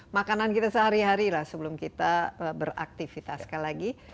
makanan kita sehari hari lah sebelum kita beraktivitaskan lagi